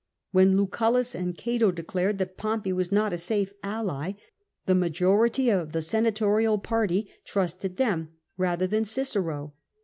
When Luoullus and Cato declared that Poxnpey was not a safe ally, the majority of the senatorial party trusted them rather than Cicero.